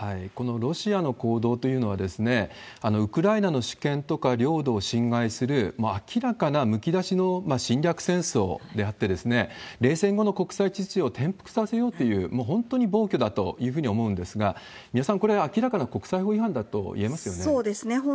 このロシアの行動というのは、ウクライナの主権とか領土を侵害する明らかなむき出しの侵略戦争であって、冷戦後の国際秩序を転覆させようという、もう本当に暴挙だというふうに思うんですが、三輪さん、これ明らかな国際法違反だといえますよね？